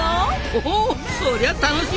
おおそりゃ楽しみ！